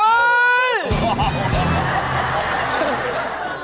เอ๊ยโอ้โฮ